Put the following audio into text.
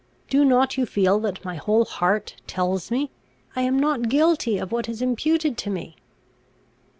Do not you feel that my whole heart tells me. I am not guilty of what is imputed to me?